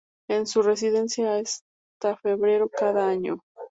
Es su residencia hasta febrero cada año.